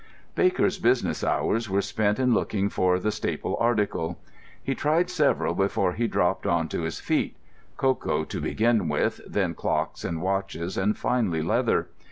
Baker's business hours were spent in looking for the staple article. He tried several before he dropped on to his feet; cocoa to begin with, then clocks and watches, and, finally, leather.